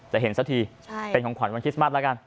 จะเห็นสักทีเป็นของขวัญวันคิสมัตย์